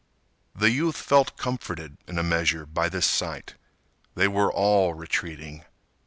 The youth felt comforted in a measure by this sight. They were all retreating.